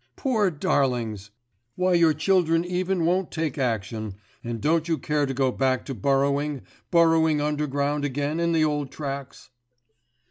Poor darlings! why your children even won't take action; and don't you care to go back to burrowing, burrowing underground again in the old tracks?